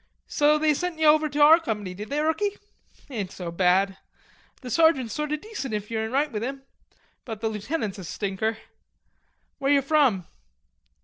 so they sent ye over to our company, did they, rookie? Ain't so bad. The sergeant's sort o' decent if yo're in right with him, but the lieutenant's a stinker.... Where you from?"